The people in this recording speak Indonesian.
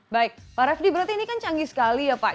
baik pak refdi berarti ini kan canggih sekali ya pak